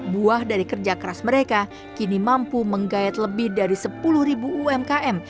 buah dari kerja keras mereka kini mampu menggayat lebih dari sepuluh ribu umkm